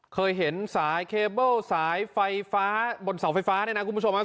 เคยเห็นสายเคเบิ้ลสายไฟฟ้าบนเสาไฟฟ้าเนี่ยนะคุณผู้ชมครับ